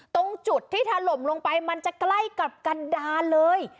ตรงจุดที่ถล่มลงไปมันจะใกล้กับกันดาเลย